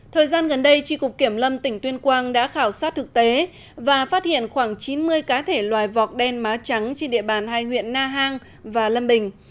thời gian gần đây tri cục kiểm lâm tỉnh tuyên quang đã khảo sát thực tế và phát hiện khoảng chín mươi cá thể loài vọc đen má trắng trên địa bàn hai huyện na hàng và lâm bình